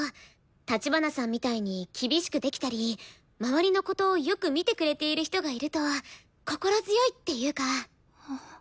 立花さんみたいに厳しくできたり周りのことよく見てくれている人がいると心強いっていうか。